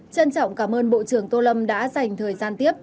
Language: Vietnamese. trân trọng cảm ơn bộ trưởng tô lâm đã dành thời gian tiếp